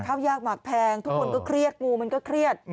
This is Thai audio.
ข้าวยากหมากแพงทุกคนก็เครียดงูมันก็เครียด